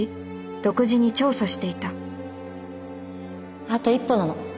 独自に調査していたあと一歩なの。